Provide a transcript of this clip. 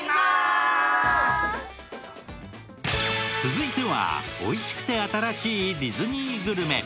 続いてはおいしくて新しいディズニーグルメ。